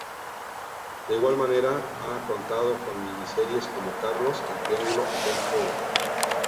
De igual manera ha contado con miniseries como Carlos, El Triángulo y Ben Hur.